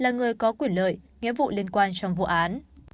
là người có quyền lợi nghĩa vụ liên quan trong vụ án